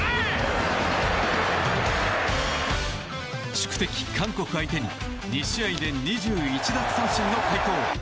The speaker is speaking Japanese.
宿敵・韓国相手に２試合で２１奪三振の快投。